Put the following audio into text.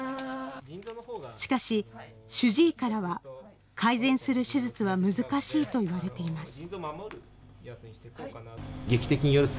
しかし、主治医からは、改善する手術は難しいと言われています。